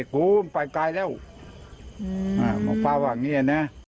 ก็ไปหามาแล้ว